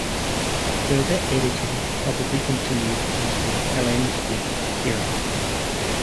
Further editing probably continued into the Hellenistic era.